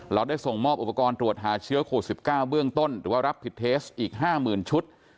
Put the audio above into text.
เราได้ส่งมอบอุปกรณ์ตรวจหาเชื้อโควิด๑๙เบื้องต้นหรือว่ารับผิดเทสอีก๕๐๐๐ชุด